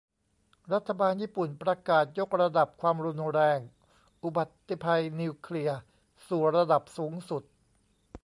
รัฐบาลญี่ปุ่นประกาศยกระดับความรุนแรงอุบัติภัยนิวเคลียร์สู่ระดับสูงสุด